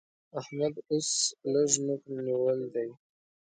احمد اوس لږ نوک نيول دی